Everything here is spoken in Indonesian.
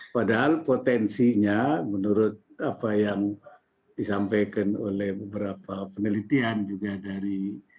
padahal potensinya menurut apa yang disampaikan oleh beberapa penelitian juga dari